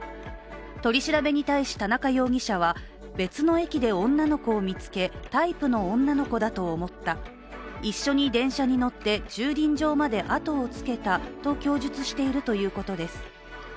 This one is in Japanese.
取り調べに対し、田中容疑者は別の駅で女の子を見つけタイプの女の子だと思った、一緒に電車に乗って駐輪場まであとをつけたと供述しているということです。